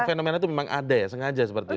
fenomena itu memang ada ya sengaja seperti itu